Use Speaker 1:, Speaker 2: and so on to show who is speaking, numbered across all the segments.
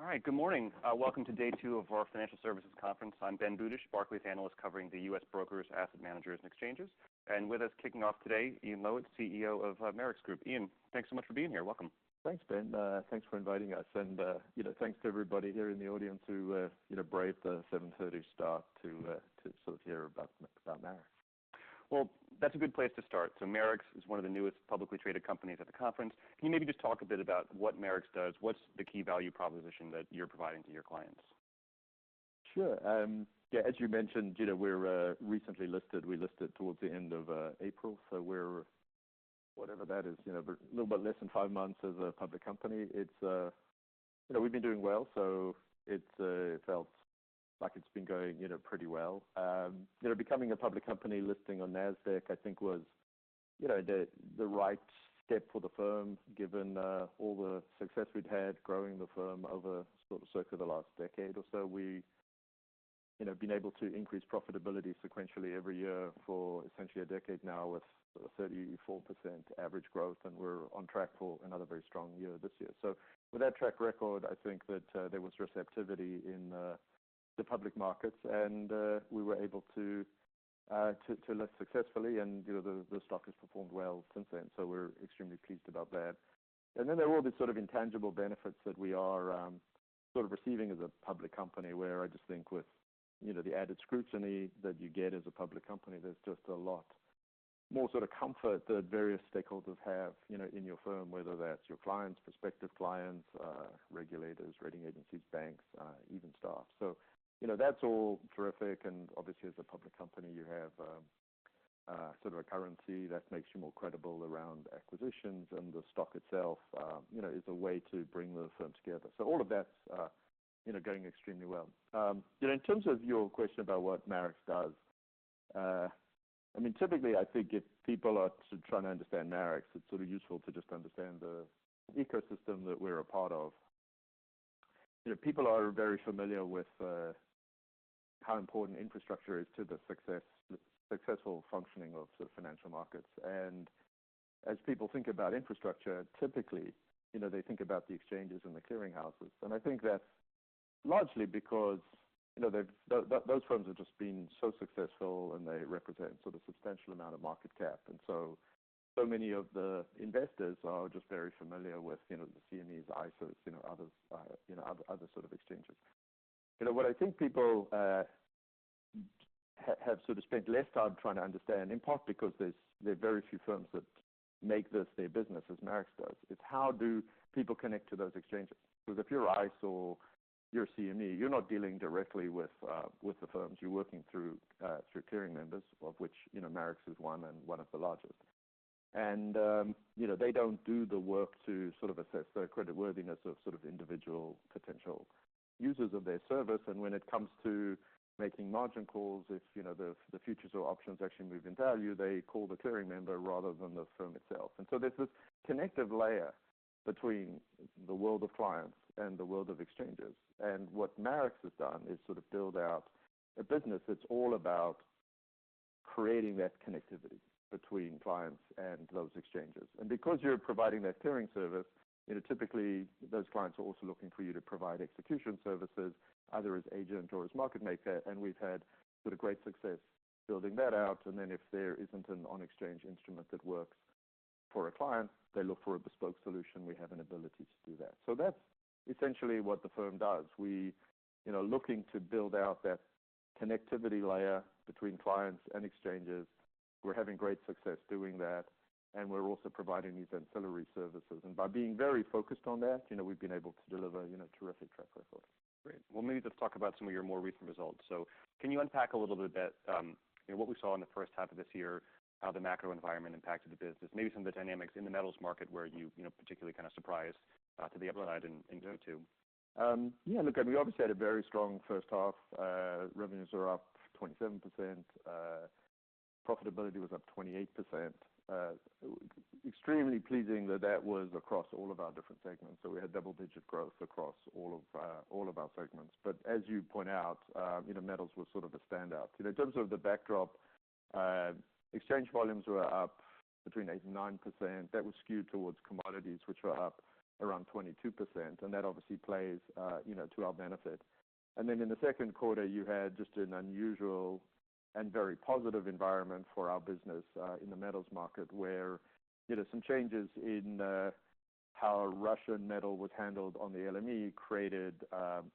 Speaker 1: All right, good morning. Welcome to day two of our financial services conference. I'm Ben Budish, Barclays analyst, covering the U.S. brokers, asset managers, and exchanges. And with us kicking off today, Ian Lowitt, CEO of Marex Group. Ian, thanks so much for being here. Welcome.
Speaker 2: Thanks, Ben. Thanks for inviting us, and you know, thanks to everybody here in the audience who braved the 7:30 A.M. start to sort of hear about Marex.
Speaker 1: That's a good place to start. Marex is one of the newest publicly traded companies at the conference. Can you maybe just talk a bit about what Marex does? What's the key value proposition that you're providing to your clients?
Speaker 2: Sure. Yeah, as you mentioned, you know, we're recently listed. We listed towards the end of April, so we're whatever that is, you know, but a little bit less than five months as a public company. It's you know, we've been doing well, so it's it felt like it's been going, you know, pretty well. You know, becoming a public company listing on Nasdaq, I think was, you know, the, the right step for the firm, given all the success we'd had growing the firm over sort of circa the last decade or so. We, you know, have been able to increase profitability sequentially every year for essentially a decade now, with 34% average growth, and we're on track for another very strong year this year. So with that track record, I think that there was receptivity in the public markets, and we were able to to list successfully. And, you know, the stock has performed well since then, so we're extremely pleased about that. And then there are all these sort of intangible benefits that we are sort of receiving as a public company, where I just think with, you know, the added scrutiny that you get as a public company, there's just a lot more sort of comfort that various stakeholders have, you know, in your firm, whether that's your clients, prospective clients, regulators, rating agencies, banks, even staff. So, you know, that's all terrific. And obviously, as a public company, you have, sort of a currency that makes you more credible around acquisitions, and the stock itself, you know, is a way to bring the firm together. So all of that's, you know, going extremely well. You know, in terms of your question about what Marex does, I mean, typically, I think if people are to try to understand Marex, it's sort of useful to just understand the ecosystem that we're a part of. You know, people are very familiar with, how important infrastructure is to the successful functioning of the financial markets. And as people think about infrastructure, typically, you know, they think about the exchanges and the clearing houses. And I think that's largely because, you know, those firms have just been so successful, and they represent sort of substantial amount of market cap. And so many of the investors are just very familiar with, you know, the CMEs, ICEs, you know, other sort of exchanges. You know, what I think people have sort of spent less time trying to understand, in part because there are very few firms that make this their business, as Marex does, is how do people connect to those exchanges? Because if you're ICE or you're CME, you're not dealing directly with the firms. You're working through clearing members, of which, you know, Marex is one, and one of the largest. And, you know, they don't do the work to sort of assess the creditworthiness of sort of individual potential users of their service. And when it comes to making margin calls, if, you know, the futures or options actually move in value, they call the clearing member rather than the firm itself. And so there's this connective layer between the world of clients and the world of exchanges. And what Marex has done is sort of build out a business that's all about creating that connectivity between clients and those exchanges. And because you're providing that clearing service, you know, typically those clients are also looking for you to provide execution services, either as agent or as market maker. And we've had sort of great success building that out. And then, if there isn't an on-exchange instrument that works for a client, they look for a bespoke solution. We have an ability to do that. So that's essentially what the firm does. We, you know, looking to build out that connectivity layer between clients and exchanges. We're having great success doing that, and we're also providing these ancillary services. And by being very focused on that, you know, we've been able to deliver, you know, terrific track records.
Speaker 1: Great. Well, maybe just talk about some of your more recent results. So can you unpack a little bit about, you know, what we saw in the H1 of this year, how the macro environment impacted the business? Maybe some of the dynamics in the metals market where you know, particularly kind of surprised to the upside in Q2?
Speaker 2: Yeah, look, we obviously had a very strong first half. Revenues are up 27%, profitability was up 28%. Extremely pleasing, that was across all of our different segments. So we had double-digit growth across all of our segments. But as you point out, you know, metals were sort of a standout. You know, in terms of the backdrop, exchange volumes were up between 8% and 9%. That was skewed towards commodities, which were up around 22%, and that obviously plays, you know, to our benefit. And then in the second quarter, you had just an unusual and very positive environment for our business in the metals market, where, you know, some changes in how Russian metal was handled on the LME created,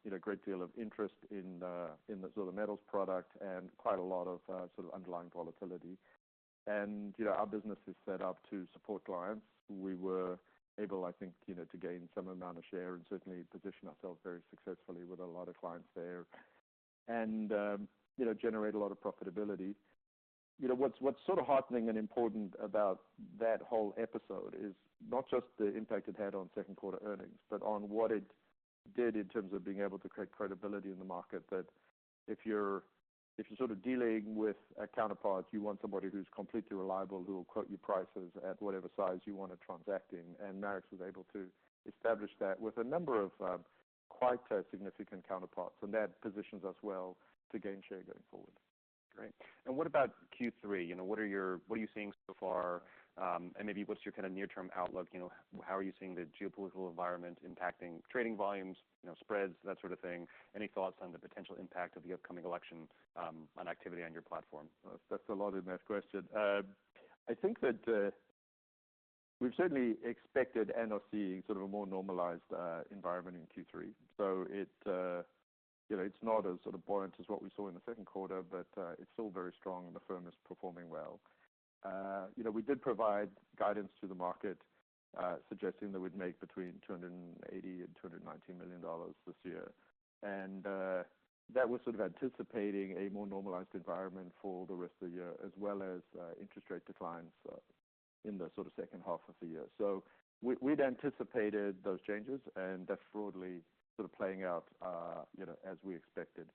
Speaker 2: you know, a great deal of interest in in the sort of metals product and quite a lot of sort of underlying volatility. And, you know, our business is set up to support clients. We were able, I think, you know, to gain some amount of share and certainly position ourselves very successfully with a lot of clients there and, you know, generate a lot of profitability. You know, what's sort of heartening and important about that whole episode is not just the impact it had on second quarter earnings, but on what it did in terms of being able to create credibility in the market, that if you're sort of dealing with a counterpart, you want somebody who's completely reliable, who will quote you prices at whatever size you want to transact in. And Marex was able to establish that with a number of quite significant counterparts, and that positions us well to gain share going forward....
Speaker 1: Great. And what about Q3? You know, what are you seeing so far? And maybe what's your kind of near-term outlook? You know, how are you seeing the geopolitical environment impacting trading volumes, you know, spreads, that sort of thing? Any thoughts on the potential impact of the upcoming election on activity on your platform?
Speaker 2: That's a lot in that question. I think that we've certainly expected and are seeing sort of a more normalized environment in Q3. So it you know, it's not as sort of buoyant as what we saw in the second quarter, but it's still very strong, and the firm is performing well. You know, we did provide guidance to the market suggesting that we'd make between $280 million and $290 million this year. That was sort of anticipating a more normalized environment for the rest of the year, as well as interest rate declines in the sort of H2 of the year. So we we'd anticipated those changes, and that's broadly sort of playing out you know, as we expected.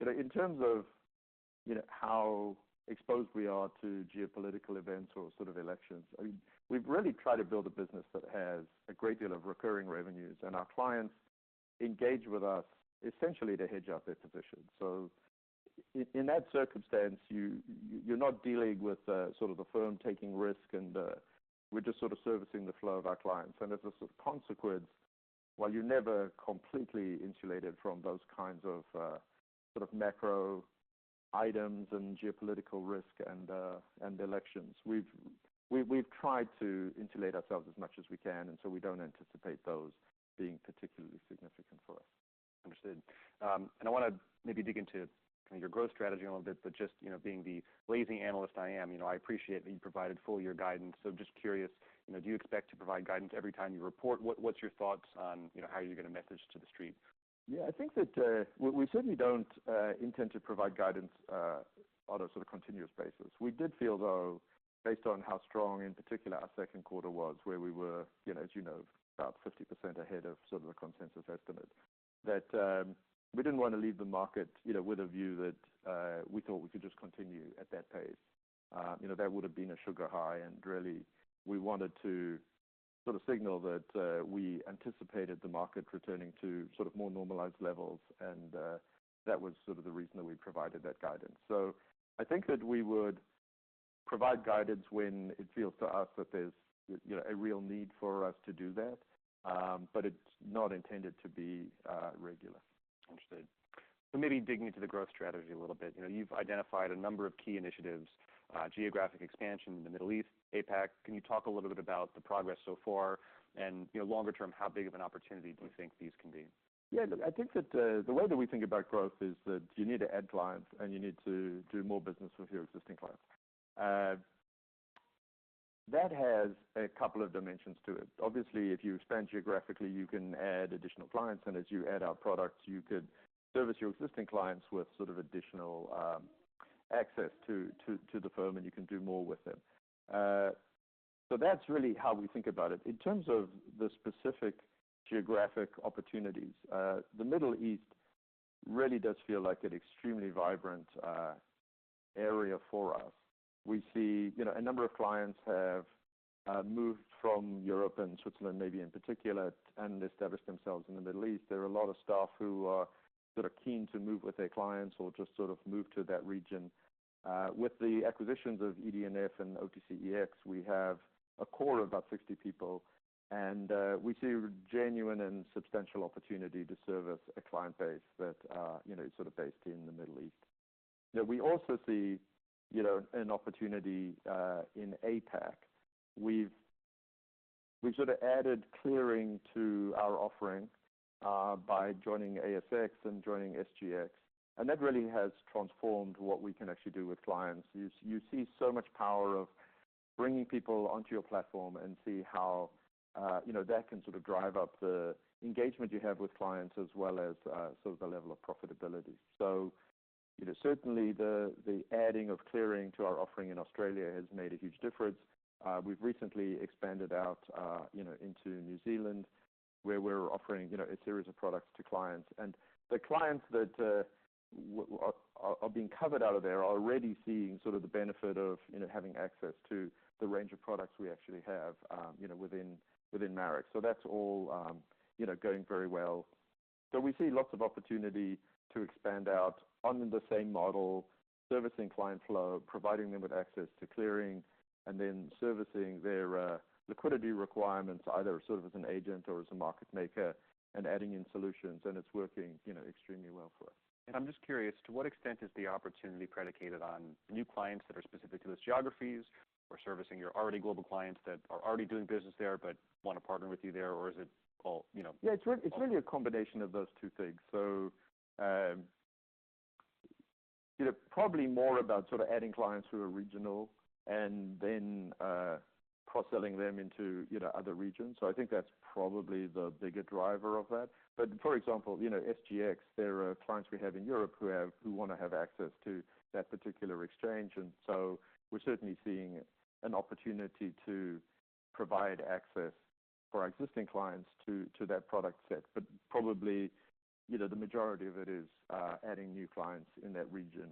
Speaker 2: You know, in terms of, you know, how exposed we are to geopolitical events or sort of elections, I mean, we've really tried to build a business that has a great deal of recurring revenues, and our clients engage with us essentially to hedge out their positions. So in that circumstance, you're not dealing with, sort of the firm taking risk, and, we're just sort of servicing the flow of our clients. And as a sort of consequence, while you're never completely insulated from those kinds of, sort of macro items and geopolitical risk and, and elections, we've tried to insulate ourselves as much as we can, and so we don't anticipate those being particularly significant for us.
Speaker 1: Understood, and I want to maybe dig into kind of your growth strategy a little bit, but just, you know, being the lazy analyst I am, you know, I appreciate that you provided full year guidance. So just curious, you know, do you expect to provide guidance every time you report? What's your thoughts on, you know, how you're going to message to The Street?
Speaker 2: Yeah, I think that we certainly don't intend to provide guidance on a sort of continuous basis. We did feel, though, based on how strong, in particular, our second quarter was, where we were, you know, as you know, about 50% ahead of sort of the consensus estimate, that we didn't want to leave the market, you know, with a view that we thought we could just continue at that pace. You know, that would have been a sugar high, and really, we wanted to sort of signal that we anticipated the market returning to sort of more normalized levels, and that was sort of the reason that we provided that guidance. So I think that we would provide guidance when it feels to us that there's, you know, a real need for us to do that, but it's not intended to be regular.
Speaker 1: Understood. So maybe digging into the growth strategy a little bit. You know, you've identified a number of key initiatives, geographic expansion in the Middle East, APAC. Can you talk a little bit about the progress so far and, you know, longer term, how big of an opportunity do you think these can be?
Speaker 2: Yeah, look, I think that the way that we think about growth is that you need to add clients, and you need to do more business with your existing clients. That has a couple of dimensions to it. Obviously, if you expand geographically, you can add additional clients, and as you add our products, you could service your existing clients with sort of additional access to the firm, and you can do more with them. So that's really how we think about it. In terms of the specific geographic opportunities, the Middle East really does feel like an extremely vibrant area for us. We see, you know, a number of clients have moved from Europe and Switzerland, maybe in particular, and established themselves in the Middle East. There are a lot of staff who are sort of keen to move with their clients or just sort of move to that region. With the acquisitions of ED&F and OTCex, we have a core of about sixty people, and we see genuine and substantial opportunity to service a client base that, you know, is sort of based in the Middle East. Now, we also see, you know, an opportunity in APAC. We've sort of added clearing to our offering by joining ASX and joining SGX, and that really has transformed what we can actually do with clients. You see so much power of bringing people onto your platform and see how, you know, that can sort of drive up the engagement you have with clients, as well as sort of the level of profitability. So, you know, certainly the adding of clearing to our offering in Australia has made a huge difference. We've recently expanded out, you know, into New Zealand, where we're offering, you know, a series of products to clients. And the clients that are being covered out of there are already seeing sort of the benefit of, you know, having access to the range of products we actually have, you know, within Marex. So that's all, you know, going very well. So we see lots of opportunity to expand out on the same model, servicing client flow, providing them with access to clearing, and then servicing their liquidity requirements, either sort of as an agent or as a market maker, and adding in solutions, and it's working, you know, extremely well for us.
Speaker 1: I'm just curious, to what extent is the opportunity predicated on new clients that are specific to those geographies or servicing your already global clients that are already doing business there but want to partner with you there? Or is it all, you know-
Speaker 2: Yeah, it's really a combination of those two things. So, you know, probably more about sort of adding clients who are regional and then, cross-selling them into, you know, other regions. So I think that's probably the bigger driver of that. But for example, you know, SGX, there are clients we have in Europe who want to have access to that particular exchange, and so we're certainly seeing an opportunity to provide access for our existing clients to that product set. But probably, you know, the majority of it is, adding new clients in that region,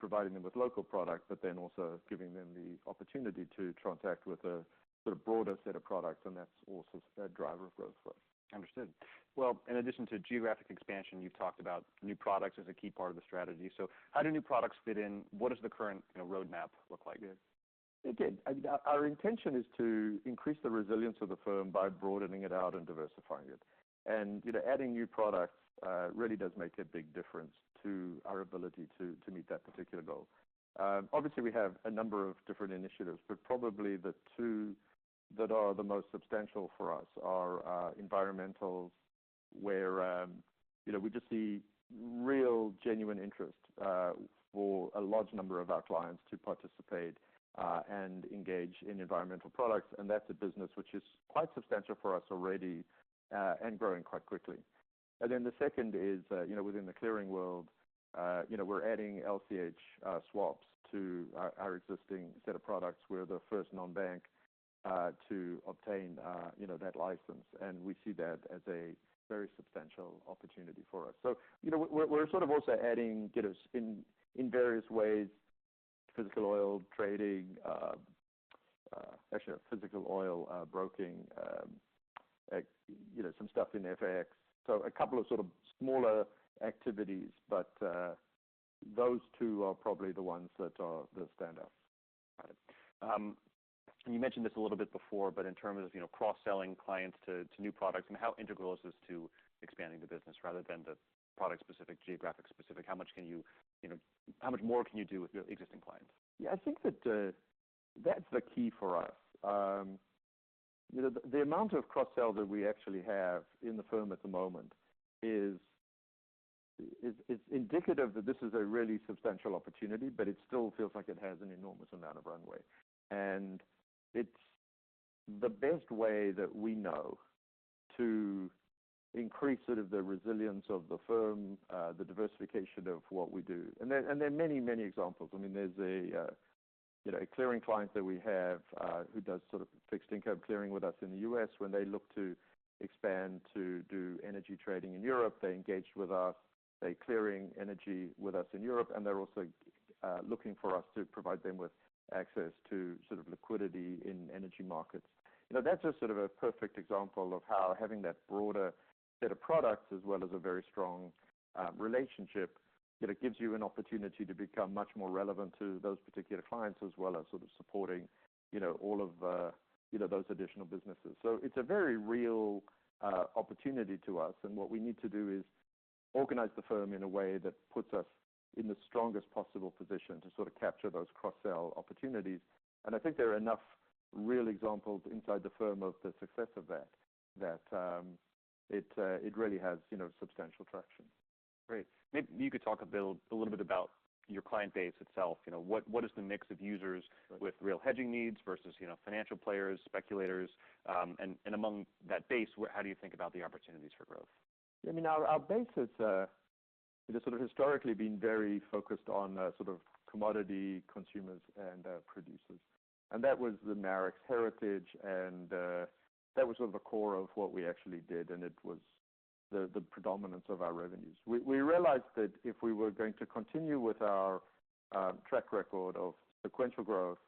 Speaker 2: providing them with local product, but then also giving them the opportunity to transact with a sort of broader set of products, and that's also a driver of growth for us.
Speaker 1: Understood. Well, in addition to geographic expansion, you've talked about new products as a key part of the strategy. So how do new products fit in? What does the current, you know, roadmap look like?...
Speaker 2: Again, our intention is to increase the resilience of the firm by broadening it out and diversifying it. And you know, adding new products really does make a big difference to our ability to meet that particular goal. Obviously, we have a number of different initiatives, but probably the two that are the most substantial for us are environmentals, where you know, we just see real genuine interest for a large number of our clients to participate and engage in environmental products. And that's a business which is quite substantial for us already and growing quite quickly. And then the second is you know, within the clearing world you know, we're adding LCH swaps to our existing set of products. We're the first non-bank to obtain, you know, that license, and we see that as a very substantial opportunity for us. So, you know, we're sort of also adding, you know, in various ways, physical oil trading, actually physical oil broking, you know, some stuff in FX. So a couple of sort of smaller activities, but those two are probably the ones that are the standouts.
Speaker 1: Got it. And you mentioned this a little bit before, but in terms of, you know, cross-selling clients to new products and how integral is this to expanding the business rather than the product-specific, geographic-specific, how much can you, you know, how much more can you do with your existing clients?
Speaker 2: Yeah, I think that, that's the key for us. You know, the amount of cross-sell that we actually have in the firm at the moment is, it's indicative that this is a really substantial opportunity, but it still feels like it has an enormous amount of runway. And it's the best way that we know to increase sort of the resilience of the firm, the diversification of what we do. And there are many, many examples. I mean, there's a, you know, a clearing client that we have, who does sort of fixed income clearing with us in the U.S. When they look to expand to do energy trading in Europe, they engage with us, they clearing energy with us in Europe, and they're also looking for us to provide them with access to sort of liquidity in energy markets. You know, that's a sort of a perfect example of how having that broader set of products, as well as a very strong relationship, it gives you an opportunity to become much more relevant to those particular clients, as well as sort of supporting, you know, all of those additional businesses. So it's a very real opportunity to us. And what we need to do is organize the firm in a way that puts us in the strongest possible position to sort of capture those cross-sell opportunities. And I think there are enough real examples inside the firm of the success of that that it really has, you know, substantial traction.
Speaker 1: Great. Maybe you could talk a little bit about your client base itself. You know, what, what is the mix of users with real hedging needs versus, you know, financial players, speculators? And among that base, how do you think about the opportunities for growth?
Speaker 2: I mean, our base has sort of historically been very focused on sort of commodity consumers and producers, and that was the Marex heritage, and that was sort of the core of what we actually did, and it was the predominance of our revenues. We realized that if we were going to continue with our track record of sequential growth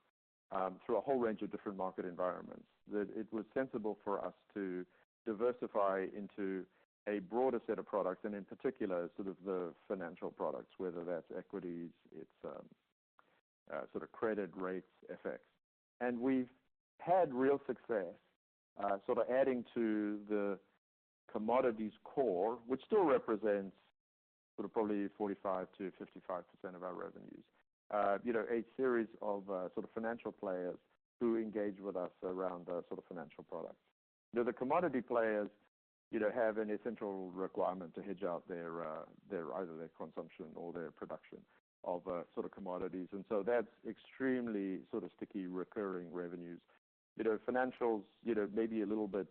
Speaker 2: through a whole range of different market environments, that it was sensible for us to diversify into a broader set of products, and in particular, sort of the financial products, whether that's equities, it's sort of credit rates, FX. And we've had real success sort of adding to the commodities core, which still represents sort of probably 45%-55% of our revenues. You know, a series of sort of financial players who engage with us around sort of financial products. You know, the commodity players either have an essential requirement to hedge out their either their consumption or their production of sort of commodities, and so that's extremely sort of sticky, recurring revenues. You know, financials, you know, may be a little bit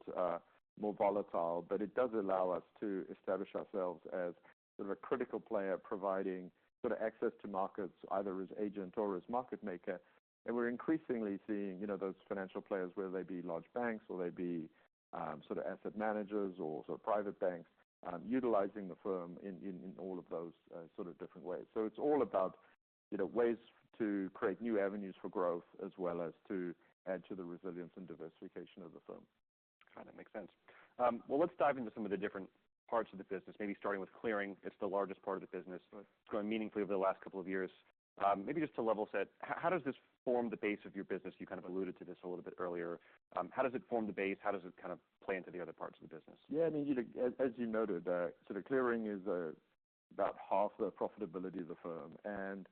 Speaker 2: more volatile, but it does allow us to establish ourselves as sort of a critical player, providing sort of access to markets, either as agent or as market maker. And we're increasingly seeing, you know, those financial players, whether they be large banks or they be sort of asset managers or sort of private banks, utilizing the firm in all of those sort of different ways. So it's all about, you know, ways to create new avenues for growth, as well as to add to the resilience and diversification of the firm.
Speaker 1: Got it, makes sense. Let's dive into some of the different parts of the business, maybe starting with clearing. It's the largest part of the business.
Speaker 2: Right.
Speaker 1: It's grown meaningfully over the last couple of years. Maybe just to level set, how does this form the base of your business? You kind of alluded to this a little bit earlier. How does it form the base? How does it kind of play into the other parts of the business?
Speaker 2: Yeah, I mean, you know, as you noted, so the clearing is about half the profitability of the firm, and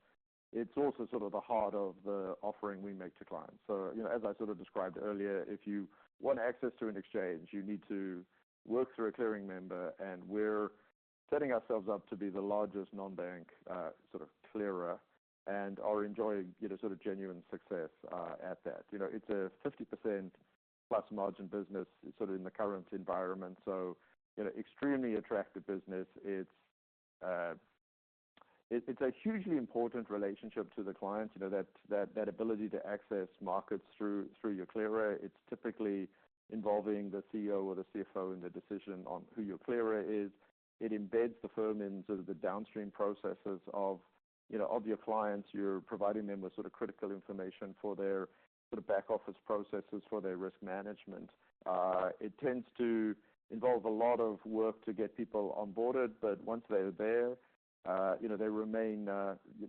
Speaker 2: it's also sort of the heart of the offering we make to clients. So, you know, as I sort of described earlier, if you want access to an exchange, you need to work through a clearing member, and we're setting ourselves up to be the largest non-bank sort of clearer and are enjoying, you know, sort of genuine success at that. You know, it's a 50% plus margin business, sort of in the current environment, so, you know, extremely attractive business. It's a hugely important relationship to the client, you know, that ability to access markets through your clearer. It's typically involving the CEO or the CFO in the decision on who your clearer is. It embeds the firm in sort of the downstream processes of, you know, of your clients. You're providing them with sort of critical information for their sort of back-office processes, for their risk management. It tends to involve a lot of work to get people onboarded, but once they're there, you know, they remain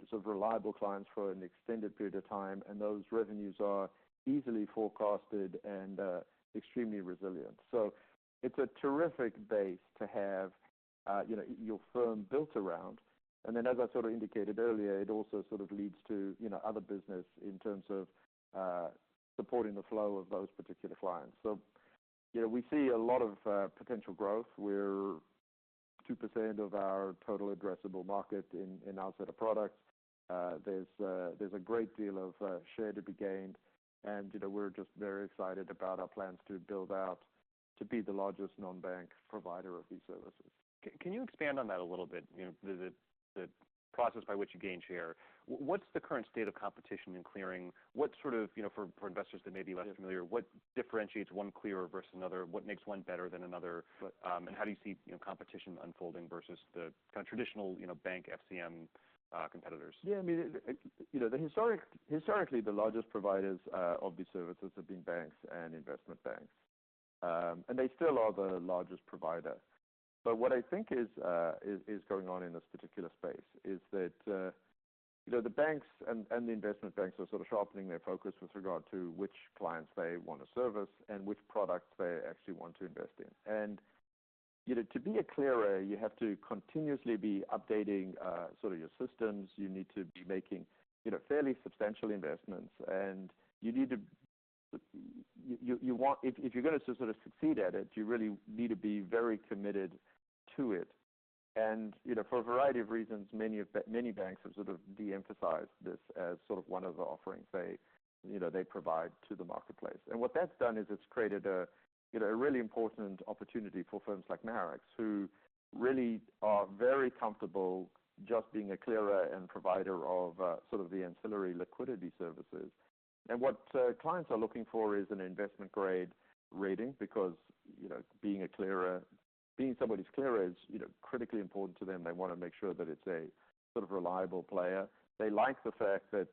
Speaker 2: sort of reliable clients for an extended period of time, and those revenues are easily forecasted and extremely resilient. So it's a terrific base to have, you know, your firm built around. And then, as I sort of indicated earlier, it also sort of leads to, you know, other business in terms of supporting the flow of those particular clients. So, you know, we see a lot of potential growth. We're 2% of our total addressable market in our set of products. There's a great deal of share to be gained, and, you know, we're just very excited about our plans to build out to be the largest non-bank provider of these services.
Speaker 1: Can you expand on that a little bit? You know, the process by which you gain share. What's the current state of competition in clearing? What sort of, you know, for investors that may be less familiar, what differentiates one clearer versus another? What makes one better than another, and how do you see, you know, competition unfolding versus the kind of traditional, you know, bank FCM competitors?
Speaker 2: Yeah, I mean, you know, historically, the largest providers of these services have been banks and investment banks, and they still are the largest provider, but what I think is going on in this particular space is that, you know, the banks and the investment banks are sort of sharpening their focus with regard to which clients they want to service and which products they actually want to invest in, and, you know, to be a clearer, you have to continuously be updating sort of your systems. You need to be making, you know, fairly substantial investments, and you need to, if you're going to sort of succeed at it, you really need to be very committed to it. And, you know, for a variety of reasons, many banks have sort of de-emphasized this as sort of one of the offerings they, you know, they provide to the marketplace. And what that's done is it's created a, you know, a really important opportunity for firms like Marex, who really are very comfortable just being a clearer and provider of sort of the ancillary liquidity services. And what clients are looking for is an investment-grade rating, because, you know, being a clearer, being somebody's clearer is, you know, critically important to them. They want to make sure that it's a sort of reliable player. They like the fact that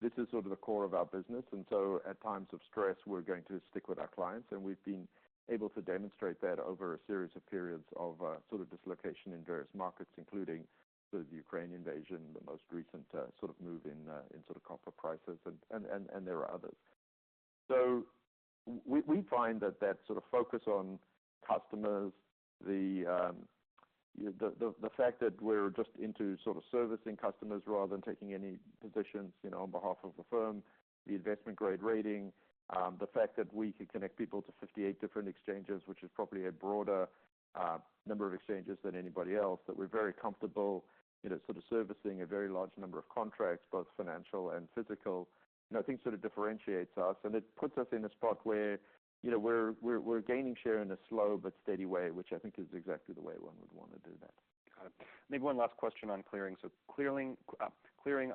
Speaker 2: this is sort of the core of our business, and so at times of stress, we're going to stick with our clients, and we've been able to demonstrate that over a series of periods of sort of dislocation in various markets, including the Ukraine invasion, the most recent sort of move in sort of copper prices and there are others. So we find that sort of focus on customers, the fact that we're just into sort of servicing customers rather than taking any positions, you know, on behalf of the firm, the investment-grade rating, the fact that we can connect people to fifty eight different exchanges, which is probably a broader number of exchanges than anybody else, that we're very comfortable, you know, sort of servicing a very large number of contracts, both financial and physical, you know, I think sort of differentiates us and it puts us in a spot where, you know, we're gaining share in a slow but steady way, which I think is exactly the way one would want to do that.
Speaker 1: Got it. Maybe one last question on clearing. So clearing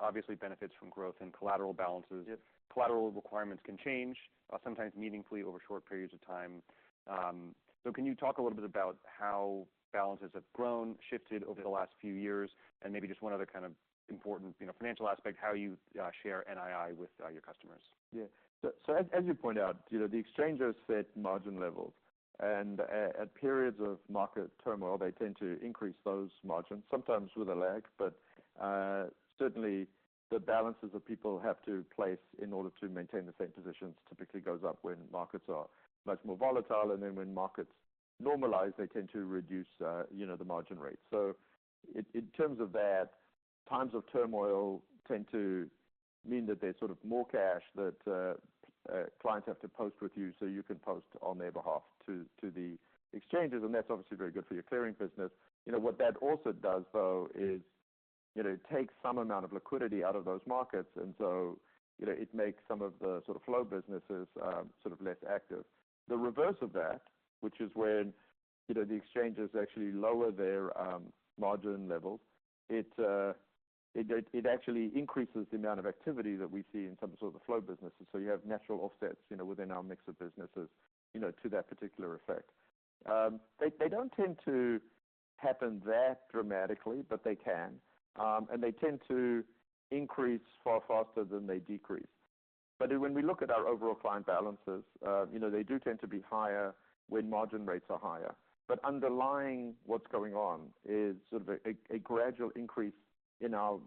Speaker 1: obviously benefits from growth in collateral balances.
Speaker 2: Yes.
Speaker 1: Collateral requirements can change, sometimes meaningfully over short periods of time. So can you talk a little bit about how balances have grown, shifted over the last few years? And maybe just one other kind of important, you know, financial aspect, how you share NII with your customers?
Speaker 2: Yeah. So, as you pointed out, you know, the exchanges set margin levels, and at periods of market turmoil, they tend to increase those margins, sometimes with a lag. But certainly the balances that people have to place in order to maintain the same positions typically goes up when markets are much more volatile, and then when markets normalize, they tend to reduce, you know, the margin rate. So in terms of that, times of turmoil tend to mean that there's sort of more cash that clients have to post with you, so you can post on their behalf to the exchanges, and that's obviously very good for your clearing business. You know, what that also does, though, is, you know, take some amount of liquidity out of those markets, and so, you know, it makes some of the sort of flow businesses, sort of less active. The reverse of that, which is when, you know, the exchanges actually lower their margin levels, it actually increases the amount of activity that we see in some sort of the flow businesses. So you have natural offsets, you know, within our mix of businesses, you know, to that particular effect. They don't tend to happen that dramatically, but they can. And they tend to increase far faster than they decrease. But when we look at our overall client balances, you know, they do tend to be higher when margin rates are higher. But underlying what's going on is sort of a gradual increase in our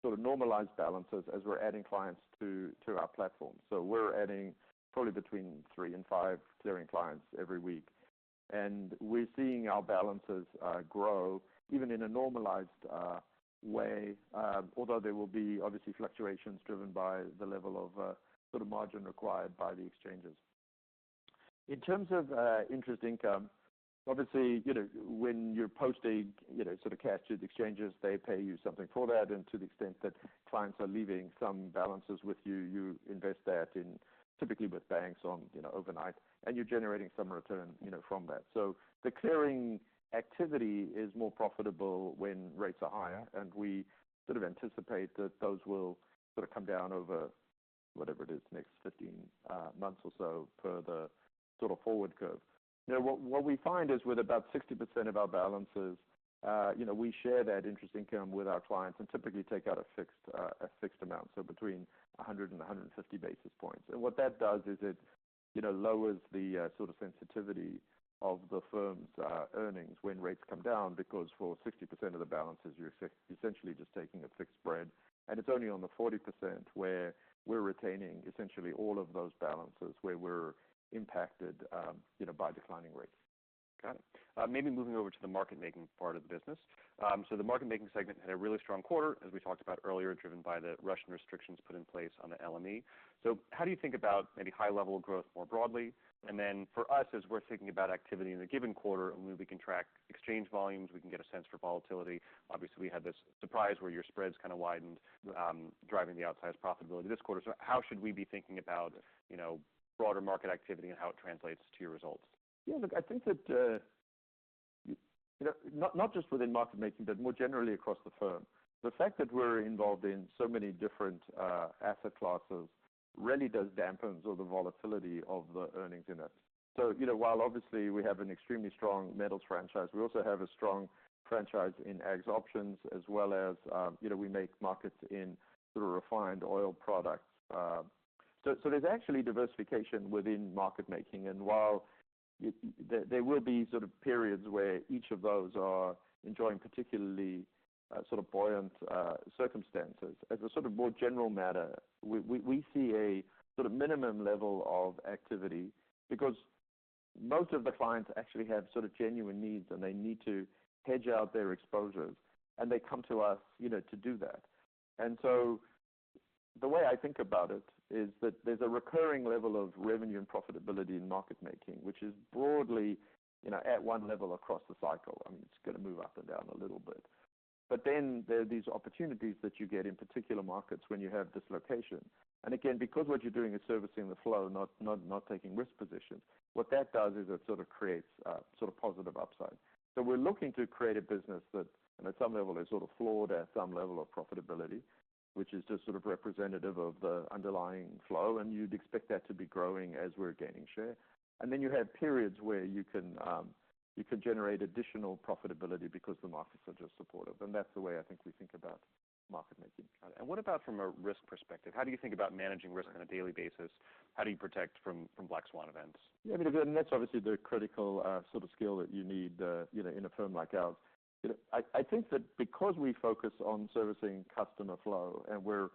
Speaker 2: sort of normalized balances as we're adding clients to our platform. So we're adding probably between three and five clearing clients every week, and we're seeing our balances grow even in a normalized way, although there will be obviously fluctuations driven by the level of sort of margin required by the exchanges. In terms of interest income, obviously, you know, when you're posting, you know, sort of cash to the exchanges, they pay you something for that, and to the extent that clients are leaving some balances with you, you invest that in typically with banks on, you know, overnight, and you're generating some return, you know, from that. So the clearing activity is more profitable when rates are higher, and we sort of anticipate that those will sort of come down over whatever it is, next 15 months or so per the sort of forward curve. Now, what we find is with about 60% of our balances, you know, we share that interest income with our clients and typically take out a fixed, a fixed amount, so between 100 and 150 basis points. And what that does is it, you know, lowers the sort of sensitivity of the firm's earnings when rates come down, because for 60% of the balances, you're essentially just taking a fixed spread. And it's only on the 40% where we're retaining essentially all of those balances, where we're impacted, you know, by declining rates....
Speaker 1: Got it. Maybe moving over to the market-making part of the business. So the market-making segment had a really strong quarter, as we talked about earlier, driven by the Russian restrictions put in place on the LME. So how do you think about maybe high level of growth more broadly? And then for us, as we're thinking about activity in a given quarter, and we can track exchange volumes, we can get a sense for volatility. Obviously, we had this surprise where your spreads kind of widened, driving the outsized profitability this quarter. So how should we be thinking about, you know, broader market activity and how it translates to your results?
Speaker 2: Yeah, look, I think that, you know, not just within market making, but more generally across the firm, the fact that we're involved in so many different asset classes really does dampen the volatility of the earnings in it. So, you know, while obviously we have an extremely strong metals franchise, we also have a strong franchise in Ags options as well as, you know, we make markets in sort of refined oil products. So, there's actually diversification within market making, and while it... There will be sort of periods where each of those are enjoying particularly sort of buoyant circumstances. As a sort of more general matter, we see a sort of minimum level of activity because most of the clients actually have sort of genuine needs, and they need to hedge out their exposures, and they come to us, you know, to do that. And so the way I think about it is that there's a recurring level of revenue and profitability in market making, which is broadly, you know, at one level, across the cycle. I mean, it's gonna move up and down a little bit. But then there are these opportunities that you get in particular markets when you have dislocation. And again, because what you're doing is servicing the flow, not taking risk positions. What that does is it sort of creates a sort of positive upside. So we're looking to create a business that, at some level, is sort of flowed at some level of profitability, which is just sort of representative of the underlying flow, and you'd expect that to be growing as we're gaining share. And then you have periods where you can generate additional profitability because the markets are just supportive, and that's the way I think we think about market making.
Speaker 1: Got it. And what about from a risk perspective? How do you think about managing risk on a daily basis? How do you protect from black swan events?
Speaker 2: Yeah, I mean, and that's obviously the critical sort of skill that you need, you know, in a firm like ours. You know, I think that because we focus on servicing customer flow, and we're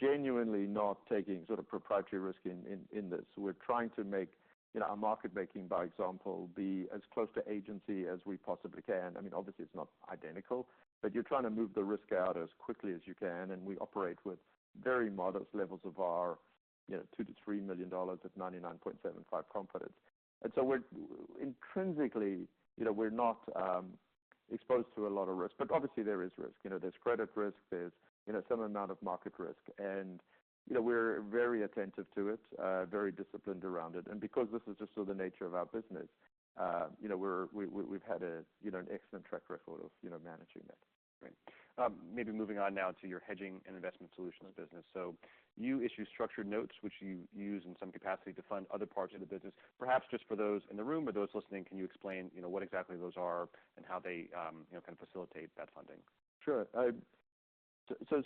Speaker 2: genuinely not taking sort of proprietary risk in this, we're trying to make, you know, our market making, by example, be as close to agency as we possibly can. I mean, obviously, it's not identical, but you're trying to move the risk out as quickly as you can, and we operate with very modest levels of our, you know, $2-$3 million of 99.75 confidence. And so we're intrinsically, you know, we're not exposed to a lot of risk, but obviously there is risk. You know, there's credit risk, there's, you know, some amount of market risk, and, you know, we're very attentive to it, very disciplined around it, and because this is just so the nature of our business, you know, we've had an excellent track record of, you know, managing it.
Speaker 1: Great. Maybe moving on now to your hedging and investment solutions business. So you issue structured notes, which you use in some capacity to fund other parts of the business. Perhaps just for those in the room or those listening, can you explain, you know, what exactly those are and how they, you know, kind of facilitate that funding?
Speaker 2: Sure.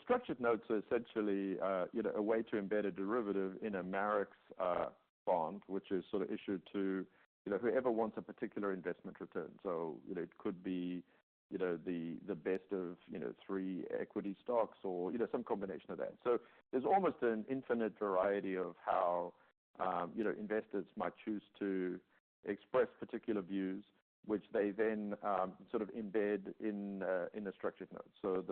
Speaker 2: Structured notes are essentially, you know, a way to embed a derivative in a Marex, bond, which is sort of issued to, you know, whoever wants a particular investment return. So, you know, it could be, you know, the best of, you know, three equity stocks or, you know, some combination of that. So there's almost an infinite variety of how, you know, investors might choose to express particular views, which they then, sort of embed in a, in a structured note. So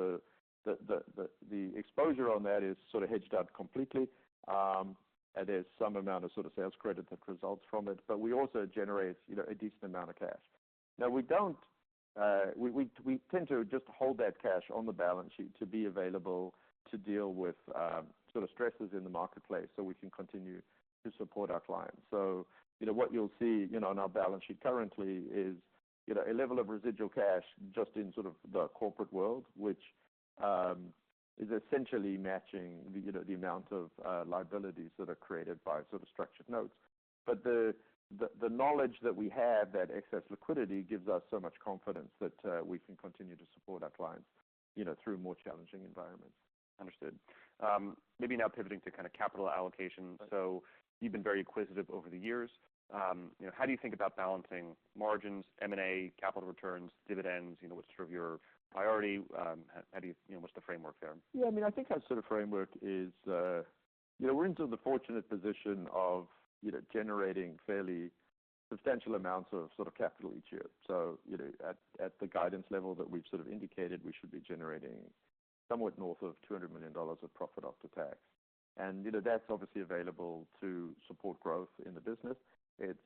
Speaker 2: the exposure on that is sort of hedged out completely. And there's some amount of sort of sales credit that results from it, but we also generate, you know, a decent amount of cash. Now, we don't, we tend to just hold that cash on the balance sheet to be available to deal with sort of stresses in the marketplace, so we can continue to support our clients, so you know, what you'll see, you know, on our balance sheet currently is, you know, a level of residual cash just in sort of the corporate world, which is essentially matching the, you know, the amount of liabilities that are created by sort of structured notes, but the knowledge that we have, that excess liquidity gives us so much confidence that we can continue to support our clients, you know, through more challenging environments.
Speaker 1: Understood. Maybe now pivoting to kind of capital allocation. So you've been very acquisitive over the years. You know, how do you think about balancing margins, M&A, capital returns, dividends, you know, what's sort of your priority? You know, what's the framework there?
Speaker 2: Yeah, I mean, I think our sort of framework is, you know, we're in the fortunate position of, you know, generating fairly substantial amounts of sort of capital each year. So, you know, at the guidance level that we've sort of indicated, we should be generating somewhat north of $200 million of profit after tax. And, you know, that's obviously available to support growth in the business. It's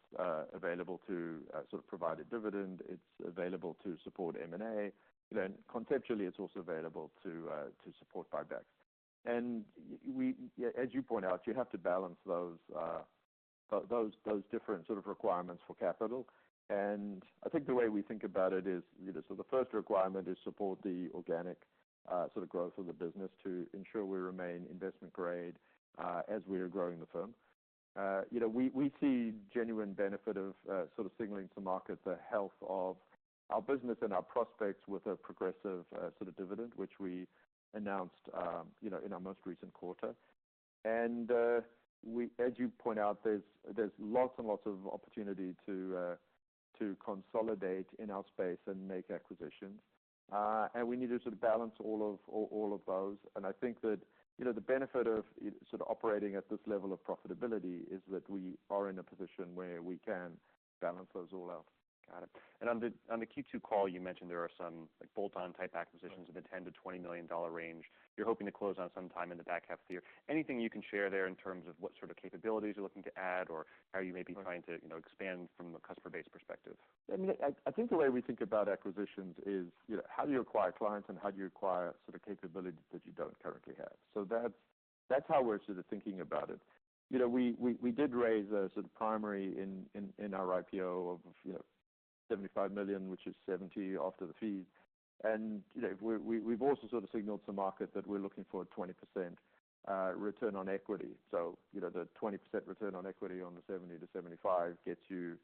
Speaker 2: available to sort of provide a dividend. It's available to support M&A, then conceptually, it's also available to support buybacks. We, as you point out, have to balance those different sort of requirements for capital, and I think the way we think about it is, you know, so the first requirement is support the organic sort of growth of the business to ensure we remain investment grade as we are growing the firm. You know, we see genuine benefit of sort of signaling to market the health of our business and our prospects with a progressive sort of dividend, which we announced, you know, in our most recent quarter. We, as you point out, there is lots of opportunity to consolidate in our space and make acquisitions. And we need to sort of balance all of those. I think that, you know, the benefit of sort of operating at this level of profitability is that we are in a position where we can balance those all out.
Speaker 1: Got it. And on the Q2 call, you mentioned there are some, like, bolt-on type acquisitions- In the $10-$20 million range. You're hoping to close on some time in the back half of the year. Anything you can share there in terms of what sort of capabilities you're looking to add, or how you may be trying to, you know, expand from a customer base perspective?
Speaker 2: I mean, I think the way we think about acquisitions is, you know, how do you acquire clients, and how do you acquire sort of capabilities that you don't currently have? So that's how we're sort of thinking about it. You know, we did raise a sort of primary in our IPO of, you know, $75 million, which is $70 million after the fees. And, you know, we've also sort of signaled to the market that we're looking for a 20% return on equity. So, you know, the 20% return on equity on the $70-$75 million gets you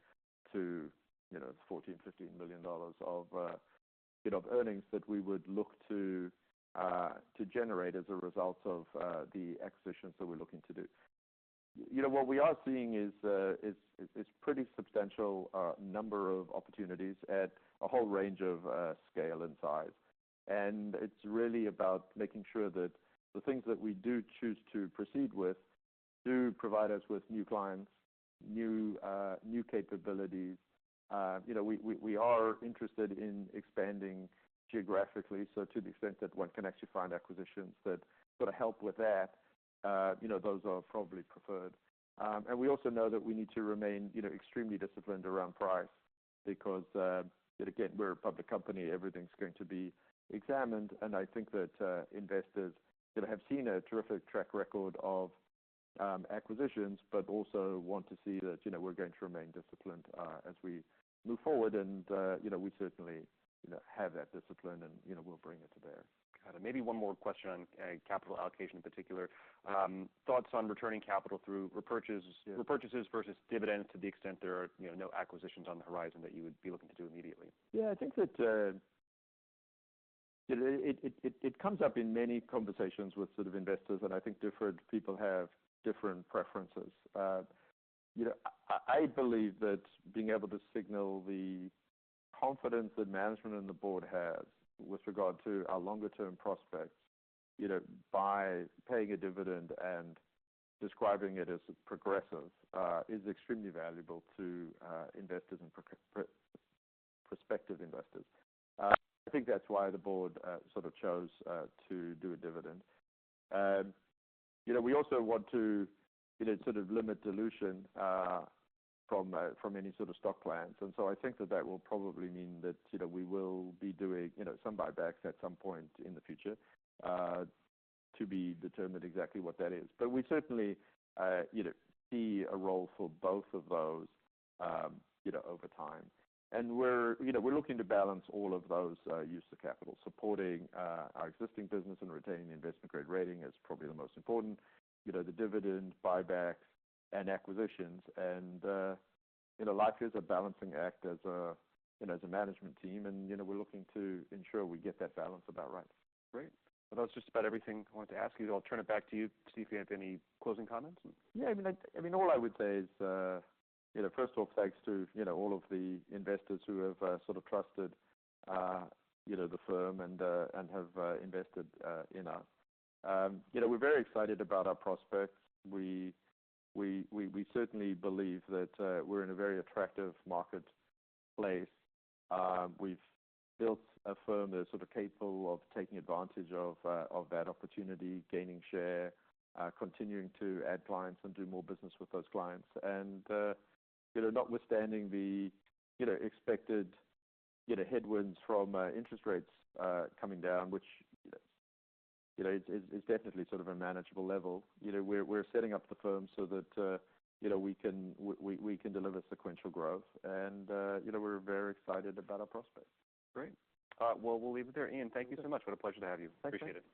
Speaker 2: to, you know, $14-$15 million of earnings that we would look to generate as a result of the acquisitions that we're looking to do. You know, what we are seeing is pretty substantial number of opportunities at a whole range of scale and size. It's really about making sure that the things that we do choose to proceed with do provide us with new clients, new capabilities. You know, we are interested in expanding geographically, so to the extent that one can actually find acquisitions that sort of help with that, you know, those are probably preferred. And we also know that we need to remain, you know, extremely disciplined around price because, yet again, we're a public company, everything's going to be examined. And I think that investors that have seen a terrific track record of acquisitions, but also want to see that, you know, we're going to remain disciplined as we move forward. And, you know, we certainly, you know, have that discipline and, you know, we'll bring it to bear.
Speaker 1: Got it. Maybe one more question on capital allocation in particular. Um- Thoughts on returning capital through repurchases?... repurchases versus dividends, to the extent there are, you know, no acquisitions on the horizon that you would be looking to do immediately.
Speaker 2: Yeah, I think that it comes up in many conversations with sort of investors, and I think different people have different preferences. You know, I believe that being able to signal the confidence that management and the board has with regard to our longer term prospects, you know, by paying a dividend and describing it as progressive, is extremely valuable to investors and prospective investors. I think that's why the board sort of chose to do a dividend. And, you know, we also want to, you know, sort of limit dilution from any sort of stock plans. And so I think that that will probably mean that, you know, we will be doing, you know, some buybacks at some point in the future, to be determined exactly what that is. But we certainly, you know, see a role for both of those, you know, over time. And we're, you know, we're looking to balance all of those, use of capital. Supporting, our existing business and retaining the investment-grade rating is probably the most important, you know, the dividend, buybacks and acquisitions. And, you know, life is a balancing act as a, you know, as a management team, and, you know, we're looking to ensure we get that balance about right.
Speaker 1: Great. Well, that's just about everything I want to ask you. I'll turn it back to you to see if you have any closing comments?
Speaker 2: Yeah, I mean, all I would say is, you know, first of all, thanks to, you know, all of the investors who have, sort of trusted, you know, the firm and, and have, invested, in us. You know, we're very excited about our prospects. We certainly believe that, we're in a very attractive marketplace. We've built a firm that's sort of capable of taking advantage of, of that opportunity, gaining share, continuing to add clients and do more business with those clients. And, you know, notwithstanding the, you know, expected, you know, headwinds from, interest rates, coming down, which, you know, is definitely sort of a manageable level. You know, we're setting up the firm so that, you know, we can deliver sequential growth, and, you know, we're very excited about our prospects.
Speaker 1: Great. Well, we'll leave it there. Ian, thank you so much. What a pleasure to have you.
Speaker 2: Thank you.
Speaker 1: Appreciate it.